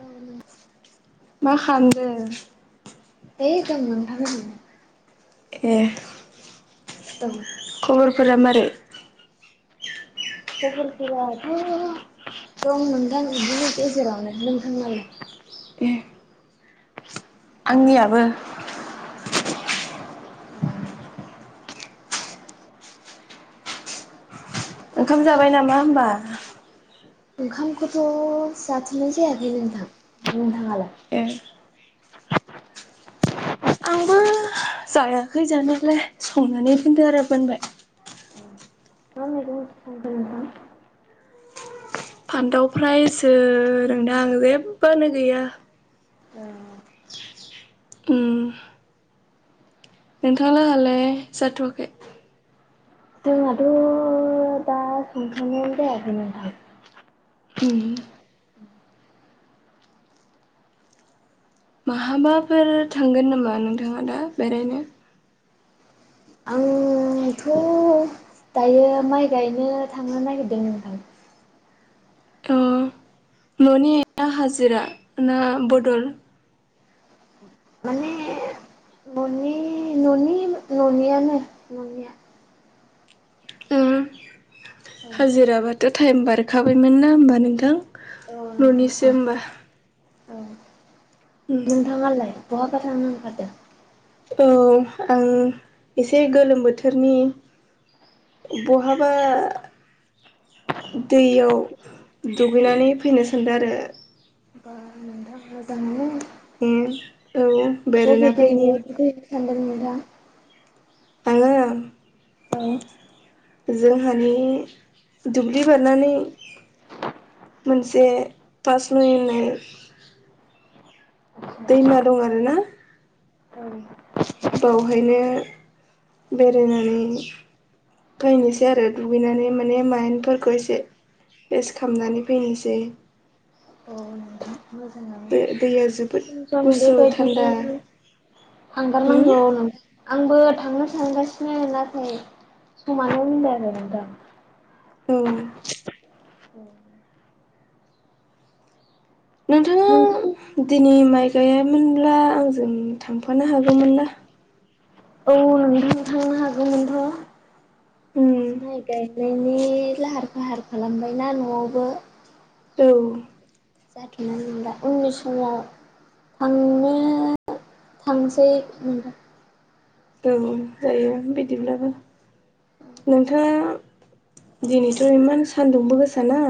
है मा खामन्दो? दै ज मोन थां ए दां खबरफोरा मारै? खबरफोराथ' दं नोंथां गेजेरावनो नोंथांनालाय? ए आंनियाबो। ओंखाम जाबाय नामा होनोमबा? ओंखामखौथ' जाथेनाय जायाखै नोंथां नोंथाङालाय? ए आंबो जायाखै जानायलाय संनानै फोनदो आरो बोनबाय मा मेगं [unintelligible] नोंथां फान्दाव फ्रायसो रोंद आं जेबोयानो गैया। उ नोंथाङलाहालाय जाथ'वाखै जोंहाथ' दा संखनायानो जायाखैमोनथायाय उ महाबाफोर थांगोन नामा नोंथाङा दा बेरायनो आंथ' दायो माइ गायनो थांनो नागिरदों नोंथां अ न'नि ना हाजिरा ना बदल मनि ननि न'नियानो ननिया। ओम औ हाजिराबाथ' टाइम बारखाबायमोन ना होमबा नोंथां औ नोंथां औ न'निसो होमबा औ उम नोंथाङालाय बहाबा थांनो ओंखारदों? औ आं एसे गोलोम बोथोरनि बहाबा? दैयाव दुगैनानै फैनो सान्दों आरो। बा मोनथां मोजाङो ए औ औ बेरायना बिद फैनि थान मजा आङा द जोंहानि दुब्लि बारनानै मोनसे कास नु होननाय दैमा दं आरो ना औ बेावहायनो बेरायनानै फैनोसै आरो दुगैनानै माने माइन्फोरखौ एसे रेस्ट खालामनानै फैनोसै औ न मोजां दै ज स म बदि आंगार होम नांगौ न आंबो थांनो सानगासिनो नाथाय समानो होनजाय आरो नोंथां ए औ नोंथांङा नोंथ दिनै माइ गायामोनब्ला आंजों थांफानो हागौमोन ना औ नोंथां थांनो हागौमोनथ' उम माइ गायनाय माने लाहार फाहार खालामबायनाा न'आवबो औ जाथ'नानै मोना उननि समाव थांनो थांसै मोन और औ जायो बिदिब्लाबो नोंथाङा दिनैथ' इमान सान्दुंबो गोसाना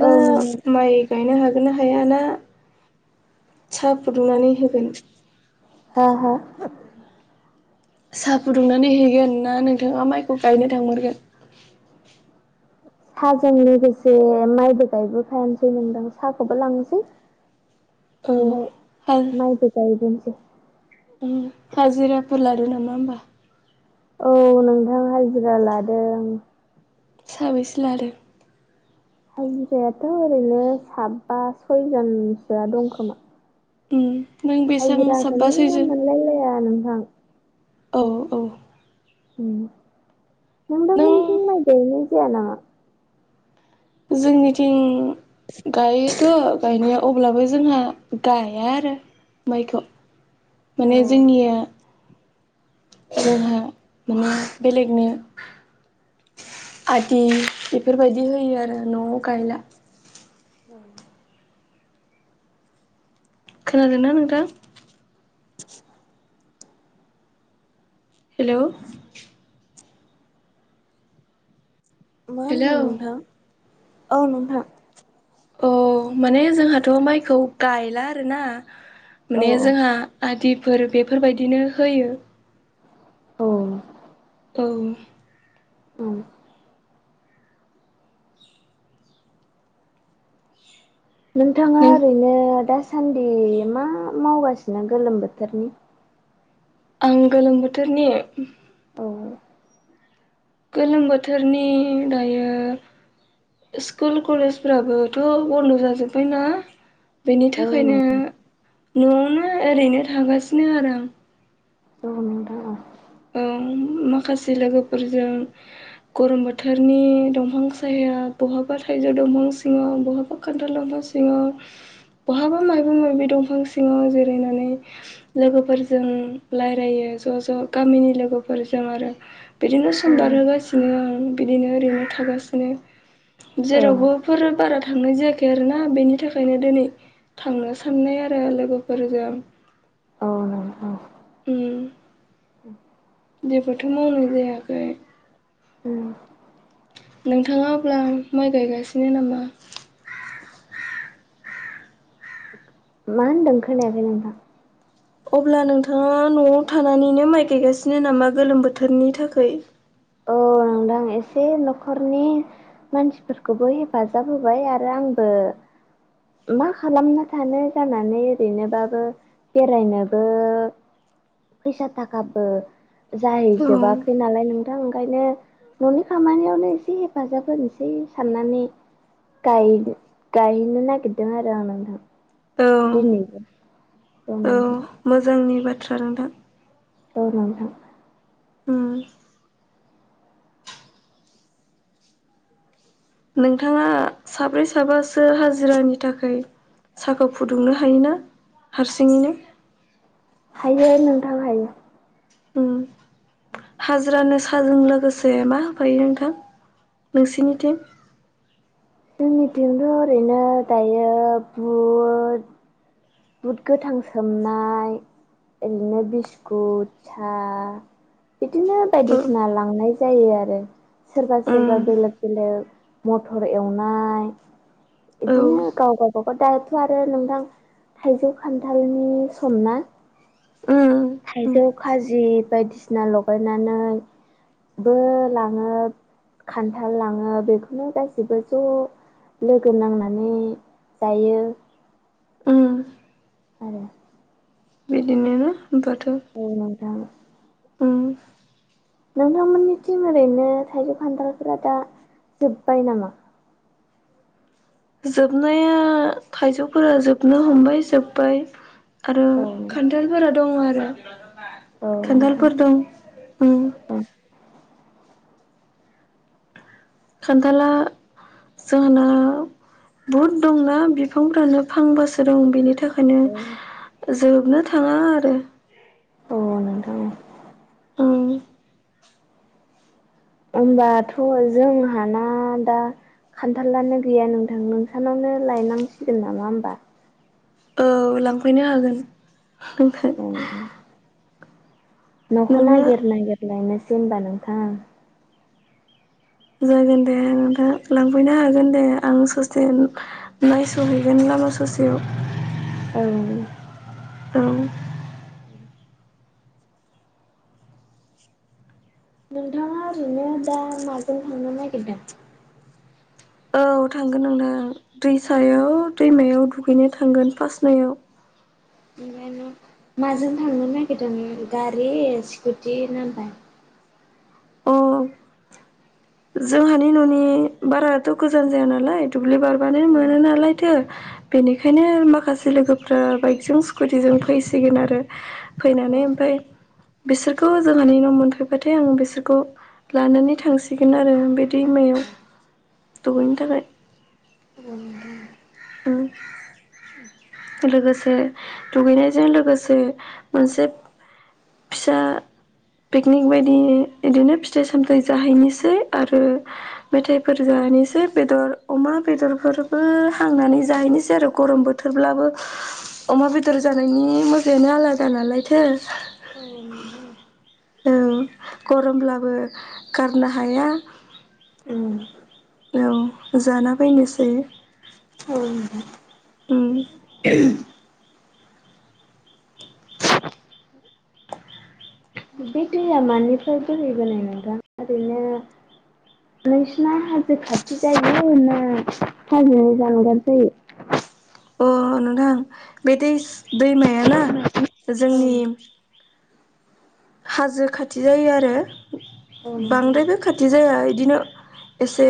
औ नोंथां ‌माइ गायनो हागोन ना हाया ना साहा फुदुंनानै होगोन अ ह साहा फुदुंनानै हैगोन ना नोंथाङा माइखौ गायनो थांहरगोन साहाजों लोगोसे माइबो गायबोखायानोसै नोंदां साहाखौबो लांसै औ बाय हा मत गायो गसे हाजिराफोर लादु नामा होमबा औ नोंथां हाजिरा लादों साबैसे ला आरो हाजिरायाथ' ओरैनो साब बा सयजनसोआ दंखोमा। उम नों बेसेबां साबा हायजिराखौनो सैजोन मोनलायलाया नोंथां। औ औ। ओम नों नोंथांमोनथिं माइ गायनाय जाया नामा? जोंनिथिं गायोथ' गायनाया अब्लाबो जोंहा गाया आरो माइखौ। माने जोंनिया जोंहा माने बेलेगनि आदि बेफोरबायदि होयो आरो न'आव गायला औ खोनादोंना नोंथां हेल' मा हेलौ होनदों नोंथां औ नोंथां औ माने जोंहाथ' माइखौ गायला आरोना औ माने जोंहा आदिफोर बेफोरबायदिनो होयो। औ। औ। औ नोंथाङा नों ओरैनो दासान्दि मा मावगासिनो गोलोम बोथोरनि? आं गोलोम बोथोरनि औ गोलोम बोथोरनि दायो। स्कुल कलेजफोराबोथ' बन्द' जाजोब्बायना बेनि औ थाखायनो नोंथां न'आवनो ओरैनो थागासिनो आरो आं। औ नों औ। औ माखासे लोगोफोरजों गरम बोथोरनि दंफां साया बहाबा थाइजौ दंफां सिङाव बहाबा खान्थाल दंफां सिङाव सिङाव बहाबा मायाबबा माबि दंफां सिङाव जिरायनानै लोगोफोरजों रायलायो ज' ज' गामिनि लोगोफोरजों आरो बिदिनो सम बारहोगासिनो बिदिनो आरो बिदिनो ओरैनो थागासिनो औ जेरावबो बेफोर बारा थांनाय जायाखै आरोना बेनि थाखायनो दिनै थांनो साननाय आरो लोगोफोरजों औ [unintelligible] उम। जेबोथ' मावनाय जायाखै उम। नोंथाङा अब्ला माइ गायगासिनो नामा? मा होन्दों खोनायाखै नोंथां? अब्ला नोंथाङा न'आव थानानैनो माइ गायगासिनो नामा गोलोम बोथोरनि थाखै? औ नोंथां एसे न'खरनि मानसिफोरखौबो हेफाजाब होबाय आरो आंबो मा खालामना थानो जानानै ओरैनोबाबो बेरायनोबो फैसा थाखाबो औ जाहैजोबाखै नालाय नोंथां ओंखायनो न'नि खामानियावनो एसे हेफाजाब होनोसै साननानै गायनो नगिरदों आरो आं नोंथां। औ दिनैबो औ [unintelligible] मोजांनि बाथ्रा नोंथां। औ नोंथां। [unintelligible] नोंथाङा साब्रै साबासो हाजिरानि थाखाय साहाखौ फुदुंनो हायोना हारसिङैनो हायो नोंथां हायो। ओम। हाजिरानो साहाजों लोगोसे मा होफायो नोंथां नोंसिनिथिं जोंनिथिंथ' ओरैनो दायो बुट बुद गोथां सोमनाय ओरैनो बिस्कुट सा बिदिनो औ बायदिसिना लांनाय जायो आरो सोरबा उम सोरबा बेलेक बेलेक मथर एवनाय औ बिदिनो गाव गावबागाव दायोथ' आरो नोंथां। थाइजौ खान्थालनि समना उम उम थाइजौ खाजि बायदिसिना लगायनानै बो लाङो खान्थाल लाङो बेखौनो गासैबो ज' लोगो नांनानै जायो। उम आरोे। बिदिनो ना होनोमबाथ' औ नांथां। उम। नोंथांमोननिथिं ओरैनो थाइजौ खान्थालफोरा दा जोब्बाय नामा? जोबनाया थायजौफोरा जोबनो हमबाय जोब्बाय आरो औ खान खान्थालफोरा दं आरो औ नोंथां खान्थालफोर दं। उम खान्थाला जोंहाना बहुद दंना बिफांफ्रानो फांबासो दं बेनि थाखाय औ ओंखायनो जोबनो थांङा आरो। ओ नोंथां। ओम। होनबाथ' जोंहाना दा खान्थालानो गैया नोंथां नोंसानावनो लायनांसिगोन नामा होमबा। औ लांफैनो हागोन। [unintelligible] न'खौ नोंनो नागिर नागिर लायनोसै होनबा नोंथां आं। जागोन दे नोंथांआ लांफैनो हागोन दे आं ससे नायस'हैगोन लामा ससेयाव। औ। औ। उ [inaudible] नोंथाङा ओरैनो दा माजों थांनो नागिरदों? औ थांगोन नोंथां दैसायाव दैमायाव दुगैनो थांगोन फास्टनियाव। [unintelligible] माजों थांनो नागिरदों गारि, स्कुटि ना बायख? अ। जोंहानि न'नि बाराथ' गोजान जाया नालाय दुब्लि बार बानो मोनो नालायथो बेनिखायनो माखासे लोगोफ्रा बाइकजों स्कुटिजों फैसिगोन आरो। औ फैनानै ओमफ्राय बिसोरखौ जोंहानि न' मोनफैबाथाय आं बिसोर खौ लानानै थांसिगोन आरो बे दैमायाव दुगैनो थाखाय। ओम। ओम लोगोसे दुगैनायजों लोगोसे मोनसे फिसा पिकनिक बायदि इदिनो फिथाइ सामथाइ जाहैनोसै आरो मेथाइफोर जानोसै बेदर अमा बेदरफोरबो थांनानै जाहैनोसै आरो गरम बोथोरब्लाबो अमा बेदर जानायनि मजायानो आलादा नालायथो औ गरमब्लाबो गारनो हाया ओम औ जाना फैनोसै ओम। उम बे दैया मानिफ्राय बोहैबोनाय नोंथां? ओरैनो नोंसिना हाजो खाथि जायो ना हाजोनि जानगार जायो? अ नोंथां बे दैस दैमायाना औ औ जोंनि हाजो खाथि जायो आरो नोंथां बांद्रायबो खाथि जाया इदिनो एसे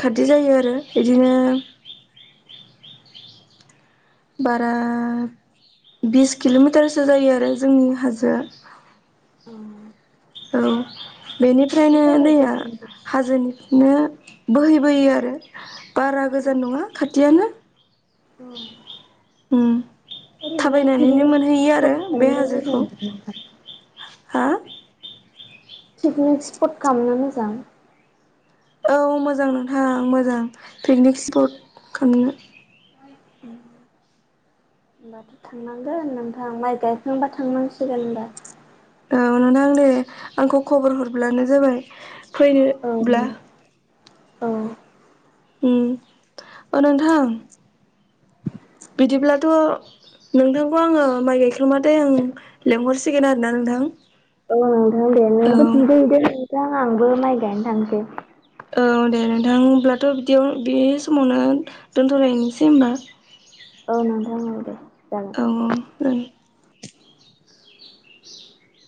खारदि जायो आरो इदिनो बारा बिस किल'मिटारसो जायो आरो जोंनि हाजोआ। ओम। औ बेनिफ्रायनो दैया गोजान जाया। हाजोनिफ्रायनो बोहैबोयो आरो बारा गोजान नंङा खाथियानो। ओम। उम ओरैनो थाबायनानैनो फिक्निख मोनहैयो आरो सिफ्त बे हाजोखौ बानायनो हा पिकनिक स्पट खालामनो मोजां औ मोजां नोंथां मोजां पिकनिक स्पट खालामनो [inaudible] होनोमबाथ' थांनांगोन नोंथां माइ गायखांबा थांनांसिगोन होनबा औ नोंथां दे आंखौ खबर हरब्लानो जाबाय औ फैनोब्ला औ उम औ नोंथां बिदिब्लाथ' नोंथांखौ आङो माइ गायखांबाथाय आं लिंहरसिगोन आरोना नोंथां औ नोंथां दे औ नोंबो जों आंबो माइ गायनो थांसै औ दे नोंथां हब्लाथ' बिदियाव बे समावनो दोनथ'लायनोसै होनबा औ नोंथां औ दे जागोन औ औ ओं [inaudible]